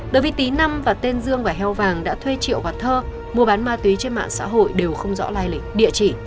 đối với tý năm và tên dương và heo vàng đã thuê triệu và thơ mua bán ma túy trên mạng xã hội đều không rõ lai lịch địa chỉ